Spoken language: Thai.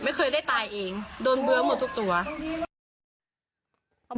ไม่เคยได้ตายเองโดนเบื้องหมดทุกตัวอืม